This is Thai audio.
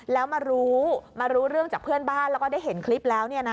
แล้วมารู้มารู้เรื่องจากเพื่อนบ้านแล้วก็ได้เห็นคลิปแล้ว